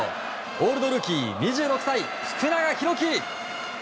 オールドルーキー２６歳、福永裕基。